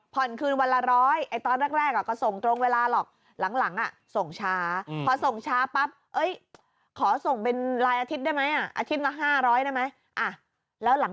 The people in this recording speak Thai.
ผ่อนคืนวันละ๑๐๐ตอนแรกก็ส่งตรงเวลาหรอก